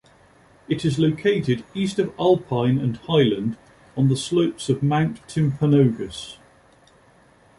It is located east of Alpine and Highland on the slopes of Mount Timpanogos.